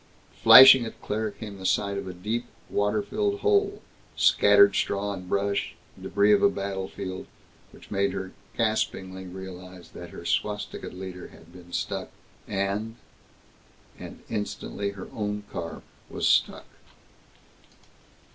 Flashing at Claire came the sight of a deep, water filled hole, scattered straw and brush, débris of a battlefield, which made her gaspingly realize that her swastikaed leader had been stuck and And instantly her own car was stuck.